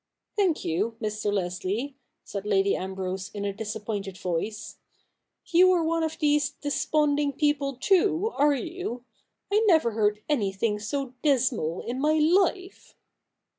40 THE NEW REPUBLIC [bk. i ' Then you, Mr. Leslie,' said Lady Ambrose in a disappointed voice, ' you are one of these desponding people too, are you ? I never heard anything so dismal in my life.'